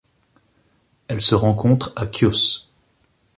Elle se rencontre à Chios.